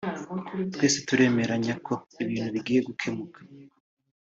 “Twese turemeranya ko ibintu bigiye gukemuka